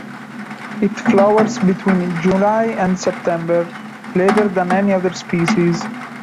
It flowers between July and September, later than any other species.